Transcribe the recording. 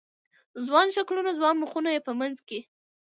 ځوان شکلونه، ځوان مخونه یې په منځ کې